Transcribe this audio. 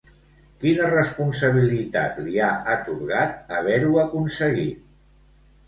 Quina responsabilitat li ha atorgat haver-ho aconseguit?